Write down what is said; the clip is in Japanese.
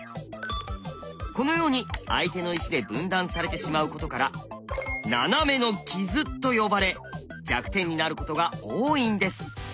このように相手の石で分断されてしまうことから「ナナメの傷」と呼ばれ弱点になることが多いんです。